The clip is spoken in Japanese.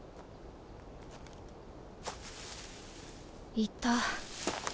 いた。